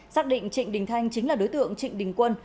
xác định trịnh đình thanh chính là đối tượng trịnh đình quân